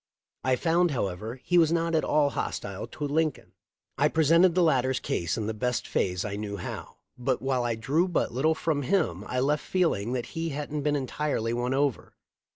I found, however, he was not at all hostile to Lincoln. I presented the latter's case in the best phase I knew how, but while I drew but little from him, I left feeling that he hadn't been entirely won over.